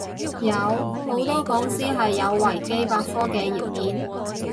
有，好多講師係有維基百科嘅頁面